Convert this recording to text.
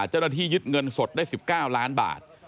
เจ้าหน้าที่ยึดเงินสดได้๑๙ล้านบาท